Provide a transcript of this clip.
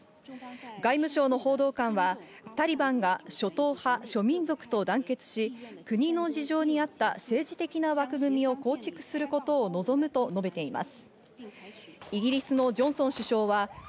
外務省の報道官はタリバンが諸党派、諸民族と団結し、国の事情に合った政治的な枠組みを構築することを望むと述べています。